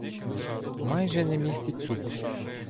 Майже не містить цукру